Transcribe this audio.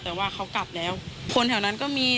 แต่ว่าเขากลับแล้วคนแถวนั้นก็มี